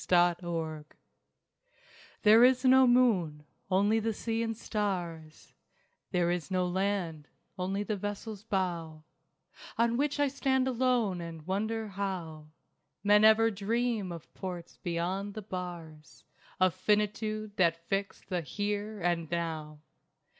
CHARTINGS There is no moon, only the sea and stars; There is no land, only the vessel's bow On which I stand alone and wonder how Men ever dream of ports beyond the bars Of Finitude that fix the Here and Now.